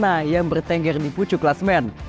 di mana yang bertengger di pucu klasmen